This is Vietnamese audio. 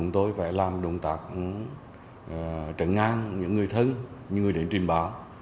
tôi phải làm động tác trở ngang những người thân những người đến trình báo